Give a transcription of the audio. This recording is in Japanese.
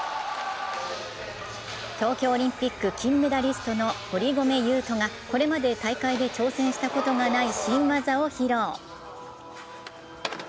東京オリンピック金メダリストの堀米雄斗がこれまで大会で挑戦したことのない新技に挑戦。